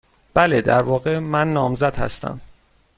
بله. در واقع، من نامزد هستم.